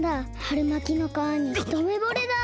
はるまきの皮にひとめぼれだ！